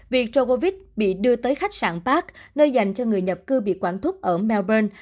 việc jokovic bị đưa tới khách sạn park nơi dành cho người nhập cư bị quản thúc ở melbourne